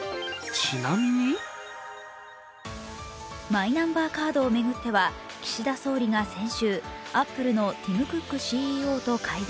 マイナンバーカードを巡っては岸田総理が先週、アップルのティム・クックＣＥＯと会談。